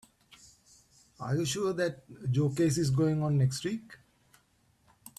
Are you sure that Joe case is going on next week?